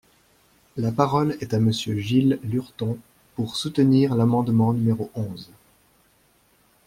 La parole est à Monsieur Gilles Lurton, pour soutenir l’amendement numéro onze.